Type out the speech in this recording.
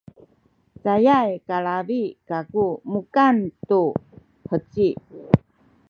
cayay kalalid kaku mukan tu heci